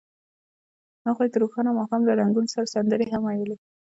هغوی د روښانه ماښام له رنګونو سره سندرې هم ویلې.